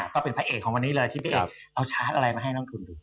ก็เป็นพระเอกของวันนี้เลยที่พี่เอกเอาชาร์จอะไรมาให้น้องทุนดู